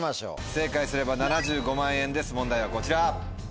正解すれば７５万円です問題はこちら。